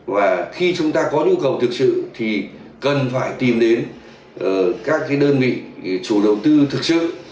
và khi chúng ta có nhu cầu thực sự thì cần phải tìm đến các đơn vị chủ đầu tư thực sự